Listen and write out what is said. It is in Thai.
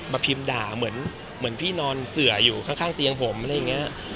พิมพ์ด่าเหมือนพี่นอนเสืออยู่ข้างเตียงผมอะไรอย่างนี้